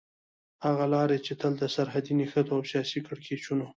هغه لارې چې تل د سرحدي نښتو او سياسي کړکېچونو